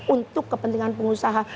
untuk kepentingan pengusaha